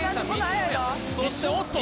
そしておっと！